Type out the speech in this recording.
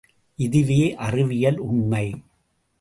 இதுவே அறிவியல் உண்மை.